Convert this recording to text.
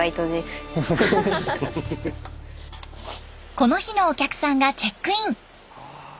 この日のお客さんがチェックイン。